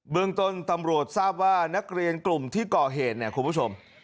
เมืองต้นตำรวจทราบว่านักเรียนกลุ่มที่ก่อเหตุเนี่ยคุณผู้ชม